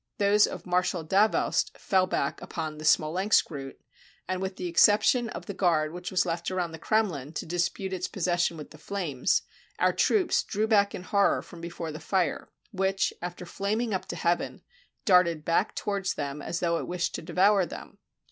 Those of Marshal Davoust fell back upon the Smolensk route, and with the exception of the guard which was left around the Kremlin, to dispute its pos session with the flames, our troops drew back in horror from before the fire, which, after flaming up to heaven, darted back towards them as though it wished to devour them.